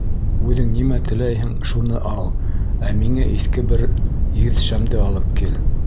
Үҙеңә нимә теләйһең, шуны ал, ә миңә иҫке бер еҙ шәмде алып кил.